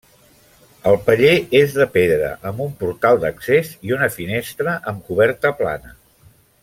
El paller és de pedra amb un portal d'accés i una finestra, amb coberta plana.